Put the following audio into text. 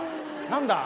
何だ？